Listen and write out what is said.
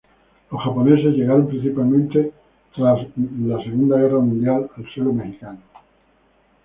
Los japoneses llegaron principalmente tras de la segunda guerra mundial al suelo mexicano.